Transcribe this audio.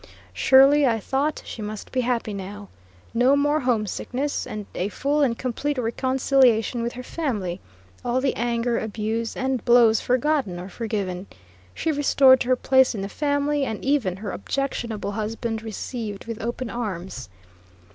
Surely, I thought, she must be happy now. No more homesickness, and a full and complete reconciliation with her family; all the anger, abuse, and blows forgotten or forgiven; she restored to her place in the family; and even her objectionable husband received with open arms.